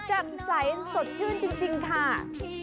แจ่มใสสดชื่นจริงค่ะ